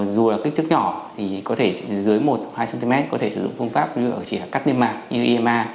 dù là kích thước nhỏ thì có thể dưới một hai cm có thể sử dụng phương pháp như cắt niêm mạc như ema